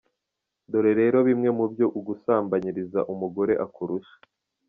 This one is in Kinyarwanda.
Dore rero bimwe mubyo ugusambanyiriza umugore akurusha:.